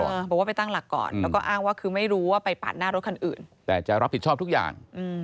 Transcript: บอกว่าไปตั้งหลักก่อนแล้วก็อ้างว่าคือไม่รู้ว่าไปปาดหน้ารถคันอื่นแต่จะรับผิดชอบทุกอย่าง